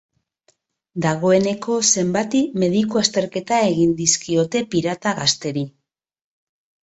Dagoeneko zenbati mediku-azterketa egin dizkiote pirata gazteri.